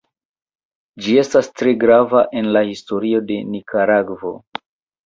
Ĝi estas tre grava en la historio de Nikaragvo.